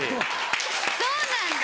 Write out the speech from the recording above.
そうなんだ。